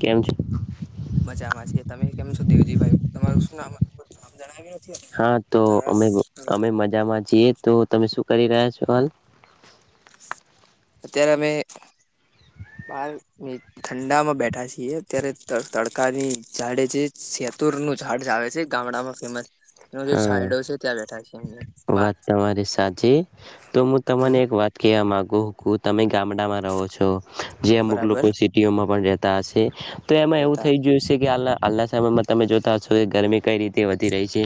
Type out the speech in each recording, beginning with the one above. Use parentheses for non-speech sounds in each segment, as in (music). કેમ છે? મજામાં છીએ. તમે કેમ છો દેવજીભાઈ? તમારું શું નામ જણાવી. હા તો અમે અમે મજામાં છીએ. તો તમે શું કરી રહ્યા છો હાલ? અત્યારે અમે બાર ઠંડામાં બેઠા છીએ. અત્યારે તડકાની ઝાડે છે શેતુરનું ઝાડ આવે છે. ગામડામાં ફેમસ એનો જે હા, છાયડો છે ત્યાં બેઠા છે એમ બાર વાત તમારી સાચી તો, મુ હમ તમાને એક વાત કેવા માગુ, હુ તમે ગામડામાં રહો છો? જે અમુક બરાબર લોકો પણ રતા હશે તો, એમાં એવું કેતા થઈ ગયું છે કે. હાલના સમયમાં તમે જોતા હશો કે, ગરમી કઈ રીતે વધી રહી છે,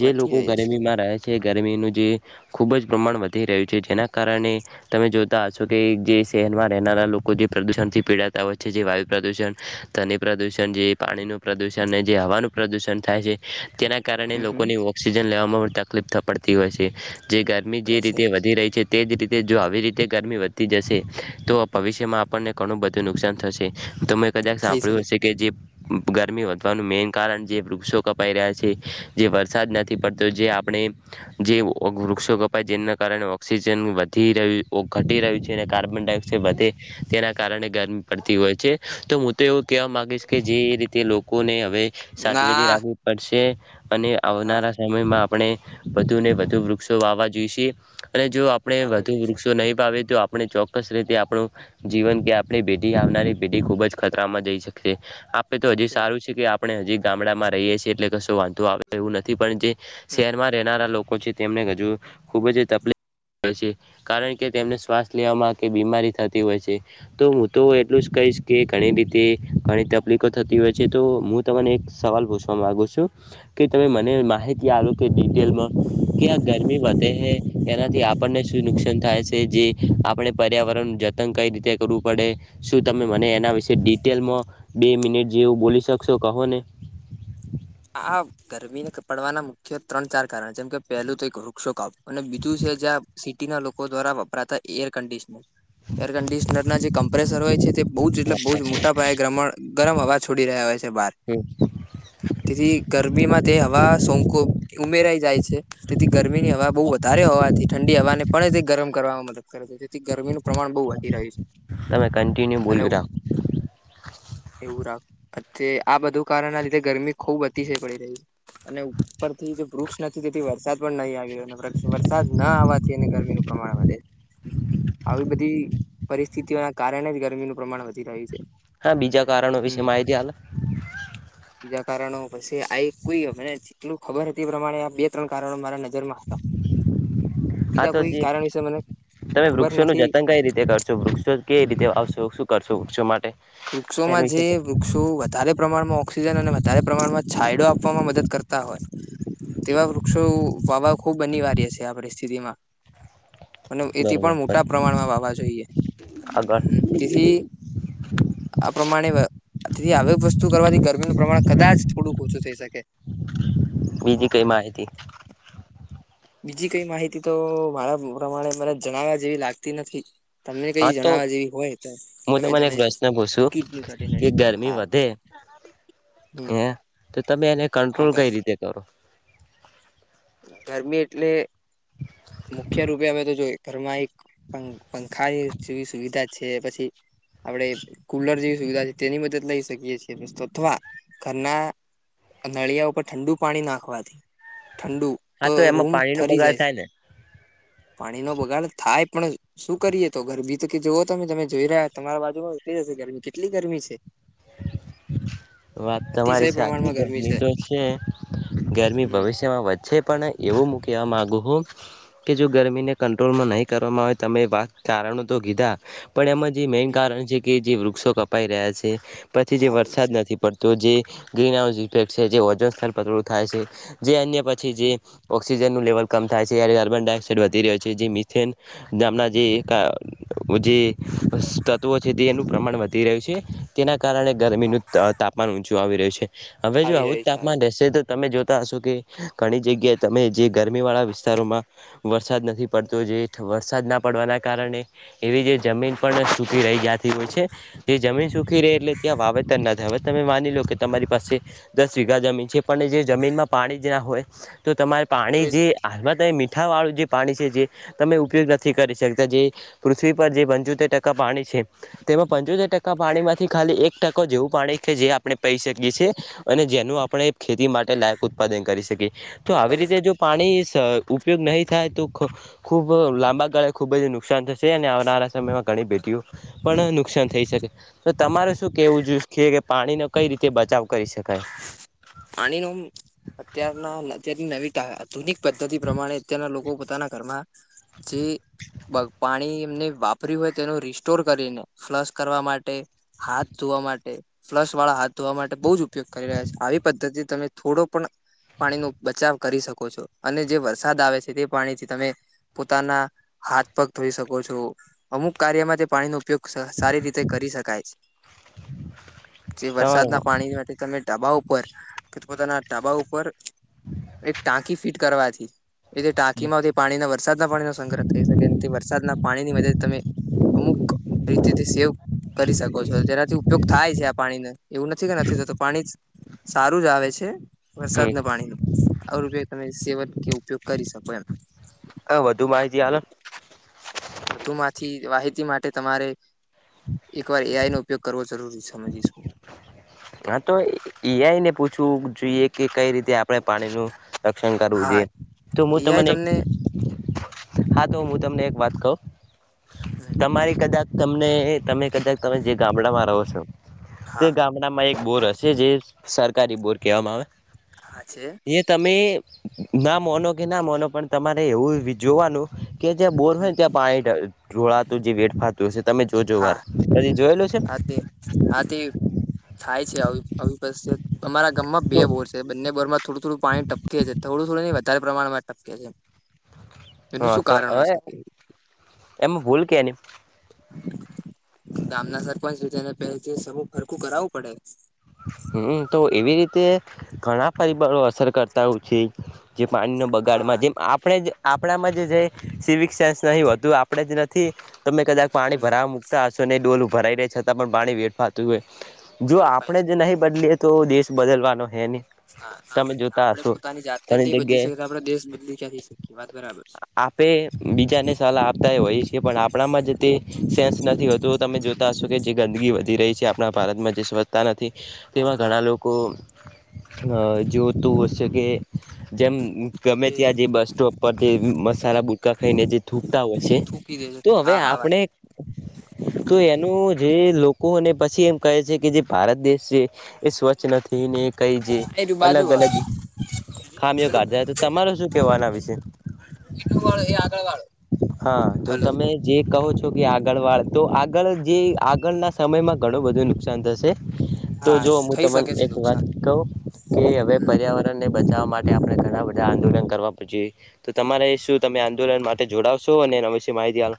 જે વધી લોકો રહ્યું છે ગરમીમાં રહે છે. જે ગરમીનું જે ખૂબ જ પ્રમાણ વધી રહ્યું છે, જેના કારણે તમે જોતા હશો કે, જે શહેરમાં રહેનારા લોકો જે પ્રદુષણ થી પીડાતા હોય છે, જે વાયુ પ્રદુષણ ધ્વની નું પ્રદૂષણ જે પાણીનું પ્રદૂષણ ને, જે હવાનું પ્રદૂષણ થાય છે, તેના કારણ હમ હમ લોકોને ઓક્સિજન લેવામાં પણ તકલીફ પડતી હોય છે, જે ગરમી રહે જે છે રીતે વધી રહી છે. તે જ રીતે જો આવી રીતે ગરમી વધતી જશે, તો ભવિષ્યમાં આપણને ઘનુ બધું નુકસાન થશે, તમે કદાક થઈ સાંભળ્યું શકે હશે કે, જે ગરમી વધવાનું મેન કારણ જે વૃક્ષો કપાઈ રહ્યા છે. જે વરસાદ નથી પડતો, જે આપણે જે વૃક્ષો કપાય, જેના કારણે ઓક્સિજન વધી રહ્યુ, ઘટી રહ્યું. કાર્બન ડાયોક્સાઇડ વધે, તેના કારણે ગરમી પડતી હોય છે, તો હું તો એવું કેવા માંગ? જે રીતે લોકોને હવે સાચવીને ના રાખવી પડશે, અને હા આવનારા આપણે વધુ ને, વધુ વૃક્ષો વાવા જોઈશે, અને જો આપણે વાવા વધુ જઈશ વૃક્ષો નહી વાવીએ તો, આપણે ચોક્કસ રીતે આપણું જીવન કે, આપણી પેઢી આવનારી પેઢી ખુબ જ ખતરામાં જઈ શકશે. આપ તો હજી સારું છે કે, આપણે હજી ગામડામાં રહીએ સી, એટલે કશું વાંધો આવે એવું નથી, પણ જે શહેરમાં રહેનારા લોકો છે, તેમને હજુ ખુબ જ તકલીફ કારણ કે, તેમને શ્વાસ લેવામાં કે, બીમારી થતી હોય છે. તો હું તો એટલું જ કહીશ કે, ઘણી રીતે ઘણી તકલીફો થતી હોય છે, તો મુ તમને એક સવાલ પૂછવા માગુ છું કે, તમે શું મને માહિતી આ કે ડિટેલમાં કે, આ ગરમી વધે હે, એનાથી આપણને શું નુકસાન થાય છે જે આપણે પર્યાવરણ નું જતન કઈ રીતે કરવું પડે, શું તમે મને એના વિશે ડિટેલમાં બે મિનિટ જેવું બોલી શકશો, કહો ને? આ. ગરમી ને પડવાના મુખ્ય ત્રણ-ચાર કારણ જેમ કે, પહેલું તો એક વૃક્ષો કાપવા, અને બીજું છે જ્યાં સિટી ના લોકો દ્વારા વપરાતા, એર કન્ડિશનર (unintelligible) એર કન્ડિશનરના જે કમ્પ્રેસર હોય છે, તે બહુ જ એટલે બહુ જ મોટા પાયે ગરમ હવા છોડી રહ્યા હોય છે બહાર. હ. તેથી ગરમીમાં તે હવા સોંક ઉમેરાઈ જાય છે, તેથી ગરમીની હવા બહુ વધારે હોવાથી ઠંડી હવાને પણ તે ગરમ કરવાવામાં મદદ કરે. જેથી ગરમીનું પ્રમાણ બહુ વધી રહ્યું છે. તમે કન્ટિન્યુ અને બોલ્યું રાખો. એવું રાખોઆ, બધું કારણ આ લીધે ગરમી ખૂબ અતિશય પડી રહ્યો છે, અને ઉપર થી જે વૃક્ષ નથી, તેથી વરસાદ પણ નહીં આવે. વરસાદ ના આવવાથી, ગરમીનું પ્રમાણ વધે. આવી બધી પરિસ્થિતિઓના કારણે જ ગરમીનું પ્રમાણ વધી રહ્યું છે. હા, બીજા કારણો વિશે માહિતી હાલ બીજા કારણો પછી આ એક કોઈ મને જેટલું ખબર હતી, એ પ્રમાણે આ બે ત્રણ કારણો મારા નજરમાં હતા. હા, બીજા તો કોઈ જી કારણ વિશે મને તમે ખબર વૃક્ષોનું નથી જતન કઈ રીતે કરશો? વૃક્ષો કે રીતે આવશો શું કરશો વક્ષો માટે? એના વૃક્ષોમાં વિશે જે વૃક્ષો વ વધારે પ્રમાણમાં ઓક્સિજન અને વધારે પ્રમાણમાં છાયડો આપવામાં મદદ કરતા હોય. તેવા વૃક્ષો વાવવા ખુબ અનિવાર્ય છે આ પરિસ્થિતિમાં. અને એથી બરોબર પણ મોટા પ્રમાણમાં વાવા જોઈએ આગળ? તેથી આ પ્રમાણે આવી વસ્તુ કરવાથી ગરમીનું પ્રમાણ કદાચ થોડુંક ઓછું થઈ શકે. બીજી કઈ માહિતી? બીજી કઈ માહિતી તો મારા પ્રમાણે મને જણાવ્યા જેવી લાગતી નથી. તમને હા કઈ તો જણાવવા જેવી હોય તો હું તમે તમને એક જણાવ શકો? પ્રશ્ન પૂછું કીટ ક હા, ના. હ તો તમે એને કંટ્રોલ ગર કઈ રીતે કરો? ગરમી એટલે મુખ્ય રૂપે અમે તો જોય ઘરમાં એક.. પંખા જેવી સુવિધા છે પછી. આપડણે કુલર જેવી સુવિધા છે તેની મદદ લઈ શકીએ છીએ અથવા ઘરના નળિયા ઉપર ઠંડુ પાણી નાખવાથી ઠંડુ હા તો એમાં રૂમ પાણીનો ઠરી બગાડ જાય છે થાય ને પાણી નો બગાડ થાય પણ. શું કરીએ તો ગરમી તો કે જોવો તમે તમે જોઈ રહ્યા તમારા બાજુમાં એટલી જ હશે ગરમી કેટલી ગરમી છે? વાત તમારી સાચી ગરમી તો છે. ગરમી હમ ભવિષ્યમાં વધશે પણ એવું મૂ કવા મામાંગુ હું? કે જો ગરમીને કંટ્રોલમાં નહીં કરવામાં આવે તમે વા કારણો તો કીધા. પણ એમાં જે મેન હ કારણ છે કે જે વૃક્ષો કપાઈ રહ્યા છે પછી જે આવું વરસાદ છે નથી જે ગ્રિનહાઉક ઈફેક્ટ થાય છે જે ઓઝોન સ્થર નબળું થાય છે જે અન્ય પછી જે ઓઑક્સિજનનું લેવલ કમ થાય છે ત્યારે કાર્બન ડાયોક્સાઇડ વધી રહ્યો છે જે મિથેન દામના જે ક જે તત્વો છે તે એનું પ્રમાણ વધી રહ્યું છે તેના કાર કારણે હા ગરમીનું તાપમાન ઊંચું આવી રહ્યું છે હવે જો આવી આવું જ રહ્યું છે તાપમાન રહેશે તો તમે જો શો કે ઘણી જગ્યાએ તમે જે ગરમી વાળા વિસ્તારોમાં. વરસાદ નથી પડતો જે વરસાદ ના પડવાના કારણે. એવી જે જમીન પણ સુખી રહી જતી હોય છે જે જમીન સુખી રહે એટલે, કે વાવેતર ના થાય હવે તમે માની લો કે તમારી પાસે. દસ વીઘા જમીન છે પણ જે જમીનમાં પાણી જે ના હોય તો તમારે તો પાણી એ જે. હાલમાં તમે મીઠાવાળું જે પાણી છે જે તમે ઉપયોગ નથી કરી શકતા જે પૃથ્વી પર જે પંચોતેર ટકા પાણી છે તેમાં પંચોતેર ટકા પાણીમાંથી ખાલી એક- ટકો જેવું પાણી કે જે આપણે પહી શકીએ છીએ. અને જેનું આપણે ખેતી માટે લાયક ઉત્પાદન કરી શકીએ તો આવી ઉત્પાદન રીતે જો પાણી, ઉપયોગ નહીં થાય તો ખ ખુબ લાંબા ગાળે ખુબ જ નુકસાન થશે અને આવનારા સમયમાં ઘણી ભેટીઓ પણ નુકસાન થઈ શકે તો તમારે. શું કેવું જો કે કે પાણી નો કઈ રીતે બચાવ કરી શકાય? પાણી નું અત્યારના અત્યારની નવી. આધુનિક પદ્ધતિ પ્રમાણે અત્યારના લોકો ઘરમાં જે. બ પાણી એમને વાપર્યું હોય તેનું રિસ્ટોર કરીને ફ્લસ કરવા માટે હાથ ધોવા માટે ફ્લશ વાળા હાથ ધોવા માટે બહુ જ ઉપયોગ કરી રહ્યા છે આવી પદ્ધતિ તમે થોડો પણ- પાણી નો બચાવ કરી શકો છો અને જે વરસાદ આવે છે તે પાણીથી તમે. પોતાના હાથ પગ થઈ શકો છો અમુક કાર્યમાં તે પાણીનો ઉપયોગ સર સારી રીતે કરી શકાય છે જે તમારો વરસાદના પાણી માટે તમે ઢાબા ઉપર કે, પોતાના ઢાબા ઉપર એક ટાંકી ફિટ કરવાથી. એથી ટાંકી માંથી પાણીના વરસાદના પાણીનો સંગ્રહ થઈ શ, કે એથી વરસાદના પાણી ની મદદ થી તમે અમુક રીતે થી સેવ કરી શકો છો, તેનાથી ઉપયોગ થાય છે, આ પાણીને એવું નથી કે, નથી થતું. પાણી સારું જ આવે છે. વરસાદ હમ ના પાણી ન આવે, પયોગ તમે સેવન કે, ઉપયોગ કરી શકો એમ. વધુ માહિતી હાલો. વધુમાંથી માહિતી માટે તમારે એક વાર એઆઈ નો ઉપયોગ કરવો. જરૂરી સમજીશું. હા, તો એઈઆઈ ને પૂછવું જોઈએ કે, કઈ રીતે આપ આપણે પાણી નું રક્ષણ કરવુ હા જોઈએ, તો હું તમને હા, તો હું તમને એક વાત કહું હમ. એમાઈ કદા તમને તમે કદા તમે જે ગામડામાં રહો છો, તે હા ગામ ગામમાં એક બોર હશે, જે સરકારી બોર કહેવામાં આવે. હા છે. એ તમે ના મોનો કે ના મોનો, પણ તમારે એવું જોવાનું. કે જ્યાં બોર હોય ને, ત્યાં પાણી ઢોળાતું જે વેડફાત હશે તો, તમે જોજો વાર હા જોયેલો છે. હા તે હા તી થાય છે, આવી આવી અમારા ગામમાં બે બોર છે, બંને બોરમાં થોડું થોડું પાણી ટપકે છે, થોડું-થોડું નહી, વધારે પ્રમાણમાં ટપકે છે. એનું હા શું તો કારણ હોય હવે શકે? એમાં ભૂલ કેની. ગામના સરપંચ છે, તેને પેલેથી સરૂ હરકું કરાવવું પડે. હમ, તો એવી રીતે ઘણા પરિબળો અસર કરતા હોય છે. જે પાણીનો હા બગાડમાં જેમ આપણે જ આપણામાં જે સિવિક સેન્સ નઇ, વધું આપણે જ નથી. તમે કદાચ પાણી ભરાવા મુક્તા હશો ને, ડોલું ભરાઈ રહે, છતાં પણ પાણી વેઠફાતું હોય, જો આ વેડફાય છે નહીં બદલીએ તો, દેશ બદલવાનો હે ને. ના, ના, આપડે પોતાની જાત નેજ ઘણી નહી બદલી જગ્યાએ શકીએ, આપડે દેશ બદલી ક્યાંથી શકીએ વાત બરાબર છે. આપે બીજાને આપતા હોઈએ છીએ, પણ આપણામાં જે તે સેન્સ નથી હોતું, તમે જો કે જે ગંદગી વધી રહી છે, આપણા ભારતમાં. તા નથી, હા તેમાં હા ઘણા લોકો જોતું હોય છે કે. જેમ ગમે એ ત્યાં જે બસ સ્ટોપ પર તે મસાલા ગુટકા ખાઈને, જે થૂકતા હોય છે. થૂકી દે તો છે હવે હા હા વાત આપણે તો એનું જે લોકોને પછી એમ કહે છે કે, જે ભારત દેશ છે. એ સ્વચ્છ નથી ને, કઈ જે એ રયુ બાજુ વાળો અલગ-અલગ. ખામીઓ કાઢે પેલું તો, તમારે શું કેવુ આના વિષે? વાળ એ આગળ વાળો હા, જો હલો તમે જે કહો છો કે, આગળ વાળ તો, આગળ જે આગળના સમયમાં ઘણું બધું નુકસાન થશે. તો હા જો હું થઈ તમને શકે છે એક વાત નુકસાન કહુ. કે હવે હમ પર્યાવરણ ને બચાવવા માટે, આપણે ઘણા બધા આંદોલન કરવા પછી. તો તમારે શું તમે આંદોલન માટે જોડાવશો, અને એના વિશે માહિતી આ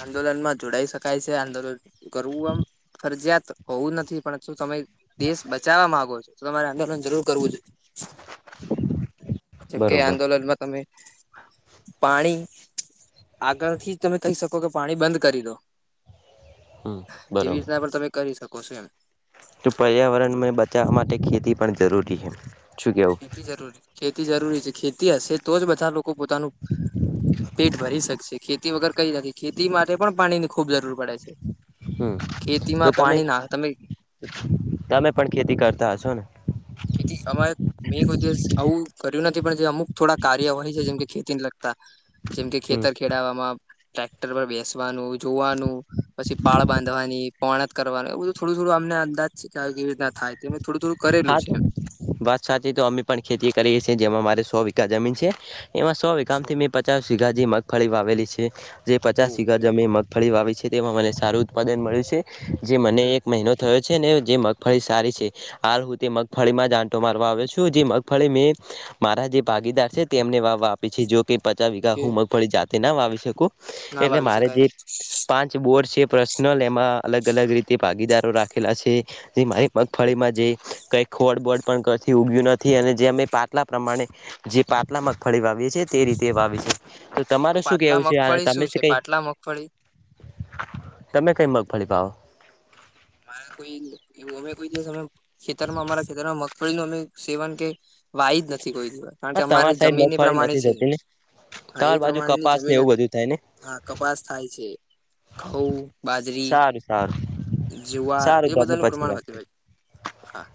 આંદોલન માં જોડાઈ શકાય છે, આંદોલન કરવું આમ ફરજીયાત હોવું નથી, પણ તમે દેશ બચાવવા માંગો છો, તો તમારે આંદોલન જરૂર કરવું જોઈએ. (unintelligible) જેમ કે બરોબર આંદોલનમાં તમે પાણી આગળથી તમે કઈ શકો કે, પાણી બંધ કરી દો. હમ એવી બરોબર રીતના પણ તમે કરી શકો છો એમ. તો પર્યાવરણને બચાવવા માટે ખેતી પણ જરૂરી હે. ખેતી જરૂરી ખેતી જરૂરી છે, ખેતી હશે તો, જ બધા લોકો પોતાનું પેટ ભરી શકશે, ખેતી વગર કઈ નથી, ખેતી માટે પણ પાણીની ખૂબ જરૂર. પડે છે, હમ ખેતીમાં પાણી ના તમે તમે પણ ખેતી કરતા હશો ને. ખેતી અમારે મેં કોઈ દિવસ આવું કર્યું નથી, પણ જે અમુક થોડા કાર્ય હોય છે, જેમકે ખેતી ને લગતા, જેમ કે હમ ખેતર ખેડાવામાં ટ્રેક્ટર પર બેસવાનું જોવાનું. પછી પાળ બાંધવાની પોણત કરવાનું બધું, થોડું-થોડું અમને અંદાજ છે કે, કેવી રીતના થાય. થોડું-થોડું કરેલું હા છે. એમ વાત સાચી તો, અમે પણ ખેતી કરીએ છીએ, જેમાં મારે સો વિગા જમીન છે. એમાં સો વિગામાંથી મે પચાસ વીઘા જેવી મગફળી વાવેલી છે, જે પચાસ વીઘા ઓકે જમીનમાં ફળી વાવી છે, તેમાં મને સારું ઉત્પાદન મળ્યું છે, જે મને એક મહિનો થયો. છે ને, જે મગફળી સારી છે, હાલ હું તે મગફળીમાં જ આટો મારવા આવ્યો છું, જે મગફળી મે મારા જે ભાગીદાર છે, તેમને વાવવા આપી છે, જોકે પચાસ વીઘા, કે હું મગફળી જાતે ના વાવી શકું. ના એટલે વાવી મારે શકાય જે પાંચ જે બોર્ડ છે, પર્સનલ એમાં અલગ અલગ રીતે ભાગીદારો રાખેલા છે, જે માહિ મગફળીમાં જેઈ કઈ ખોડ બોડ પણ કથી ઉગ્યું નથી, અને જે અમે પાટલા પ્રમાણે જે પાતલા મગફળી વાવીએ છીએ, તે રીતે વાવી છે. તો તમારે શું પાટલા કેવું છે? આ મગફળી તમે શું છે કઈ પાટલા મગફળી તમે કઈ મગફળી વાવો? મારે કોઈ એવું અમે કોઈ દિવસ અમે ખેતરમાં અમારા ખેતરમાં મગ થોડી અમે સેવન કે, વાઈ જ નથી, કોઈ દિવસ કારણ કે હા તમારી અમારે સાઈડ જમીન એ મગફળી પ્રમાણે નથી છે. થતી ને હા, તમારી એ બાજુ પ્રમાણે ની કપાસ ને જમીન એવું હતી. બધું થાય ને હા, કપાસ થાય છે. ઘઉ, બાજરી. સારું સારું, જુવાર સારું એ તો આપડે, બધાનું પછી પ્રમાણ વાત વધુ કરીએ. હોય હા